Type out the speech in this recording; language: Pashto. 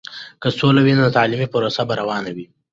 که سوله وي، نو تعلیمي پروسه به روانه وي.